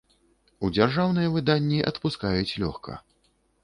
У дзяржаўныя выданні адпускаюць лёгка.